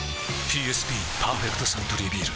ＰＳＢ「パーフェクトサントリービール」